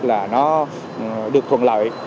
là nó được thuận lợi